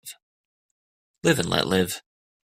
Live and let live.